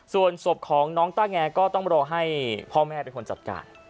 ส่วนศพของน้องต้าแงก็ต้องรอให้พ่อแม่เป็นคนจัดการ